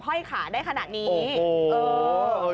ทุกคนทุกคนอ่าพูดให้ค่ะ